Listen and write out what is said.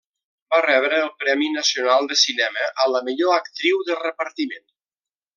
Va rebre el Premi Nacional de Cinema a la millor actriu de repartiment.